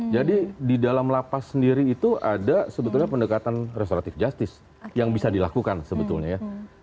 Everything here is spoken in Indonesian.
jadi di dalam lapas sendiri itu ada sebetulnya pendekatan restoratif justice yang bisa dilakukan sebetulnya ya